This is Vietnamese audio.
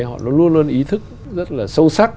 họ luôn luôn ý thức rất là sâu sắc